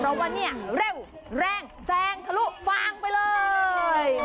เพราะว่าเนี่ยเร็วแรงแซงทะลุฟางไปเลย